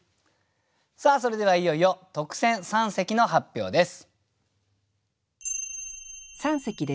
さあそれではいよいよ特選三席の発表です。